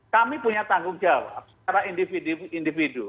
kami punya tanggung jawab secara individu